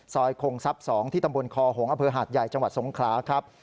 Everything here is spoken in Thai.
คงทรัพย์๒ที่ตำบลคอหงษ์อำเภอหาดใหญ่จังหวัดสงขลาครับ